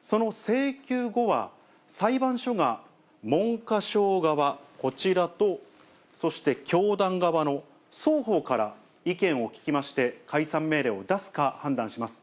その請求後は、裁判所が文科省側、こちらと、そして教団側の双方から意見を聞きまして、解散命令を出すか判断します。